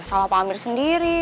salah pak amir sendiri